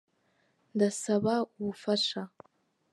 Ndasba ubufasha